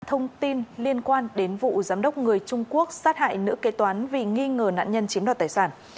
thông tin liên quan đến vụ giám đốc người trung quốc sát hại nữ kế toán vì nghi ngờ nạn nhân chiếm đoạt tài sản